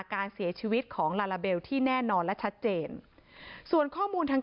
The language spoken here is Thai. การเสียชีวิตของลาลาเบลที่แน่นอนและชัดเจนส่วนข้อมูลทาง